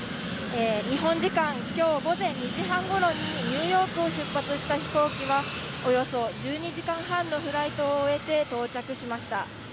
日本時間、きょう午前２時半ごろにニューヨークを出発した飛行機は、およそ１２時間半のフライトを終えて到着しました。